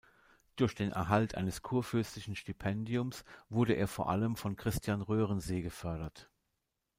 Durch den Erhalt eines kurfürstlichen Stipendiums, wurde er vor allem von Christian Röhrensee gefördert.